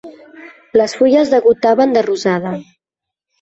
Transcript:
Les fulles degotaven de rosada.